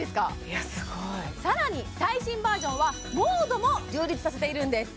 いやすごいさらに最新バージョンはモードも充実させているんです